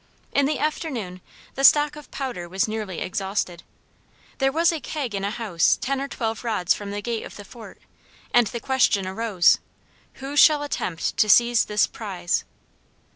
In the afternoon the stock of powder was nearly exhausted. There was a keg in a house ten or twelve rods from the gate of the fort, and the question arose, who shall attempt to seize this prize?